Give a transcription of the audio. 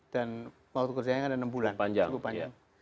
dan waktu kerjanya kan ada enam bulan cukup panjang